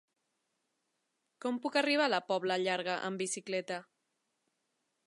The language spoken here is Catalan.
Com puc arribar a la Pobla Llarga amb bicicleta?